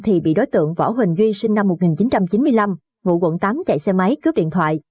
thì bị đối tượng võ huỳnh duy sinh năm một nghìn chín trăm chín mươi năm ngụ quận tám chạy xe máy cướp điện thoại